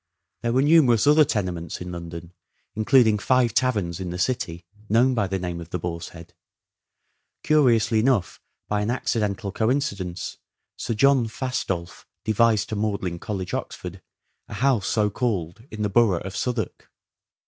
... There were numerous other tenements in London, including five taverns in the city known by the name of the Boar's Head. ... Curiously enough by an accidental coincidence Sir John Fastolf devised to Magdalen College, Oxford, a house so called in the borough of Southwark."